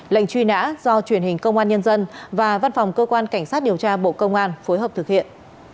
lệnh truy nã do truyền hình công an nhân dân và văn phòng cơ quan cảnh sát điều tra bộ công an phối hợp thực hiện